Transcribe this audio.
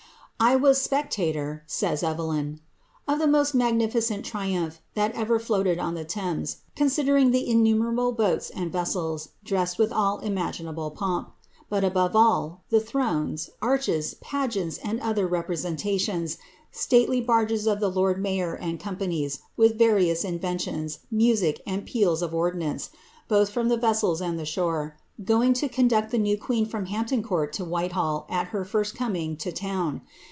*^ I was spectator,*^ says Evelyn, ^ of the most magnificent triumph that ever floated on the Thames, considering the innumerable boats and vessels, dressed with all imaginable pomp ; but, above all, the thrones, arches, pageants, and other representations, stately barges of the lord mayor and companies, with various inventions, music, and peals of ord nance, both from the vessels and the shore, going to conduct the new queen from Hampton Court to Whitehall, at the first of her coming to town.